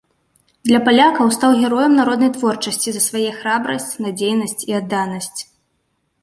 Для палякаў стаў героем народнай творчасці за свае храбрасць, надзейнасць і адданасць.